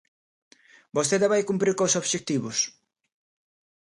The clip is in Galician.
¿Vostede vai cumprir cos obxectivos?